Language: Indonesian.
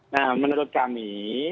nah menurut kami